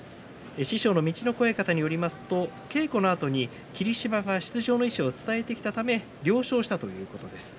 師匠の陸奥親方によりますと稽古のあと霧島が出場の意思を伝えてきたため了承したということです。